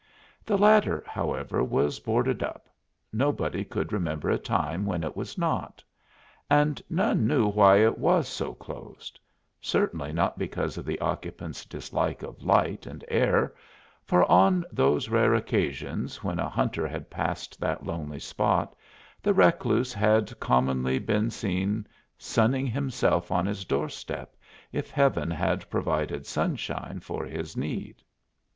The latter, however, was boarded up nobody could remember a time when it was not. And none knew why it was so closed; certainly not because of the occupant's dislike of light and air, for on those rare occasions when a hunter had passed that lonely spot the recluse had commonly been seen sunning himself on his doorstep if heaven had provided sunshine for his need.